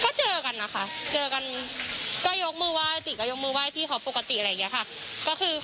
ก็เจอกันนะคะเจอกันก็ยกมือไหว้ติก็ยกมือไห้พี่เขาปกติอะไรอย่างนี้ค่ะ